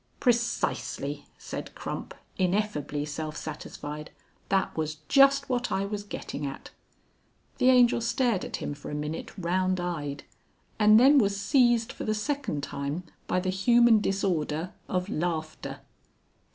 "Precisely," said Crump, ineffably self satisfied; "that was just what I was getting at." The Angel stared at him for a minute round eyed, and then was seized for the second time by the human disorder of laughter.